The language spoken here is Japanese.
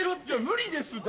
無理ですって。